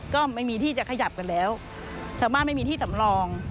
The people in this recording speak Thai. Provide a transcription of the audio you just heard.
ก็ไม่มีที่จะขยับกันแล้วชาวบ้านไม่มีที่สำรอง